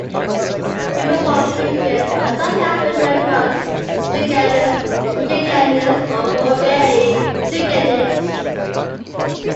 People from Michigan are sometimes referred to as Michiganders, Michiganians, or, more rarely, Michiganites.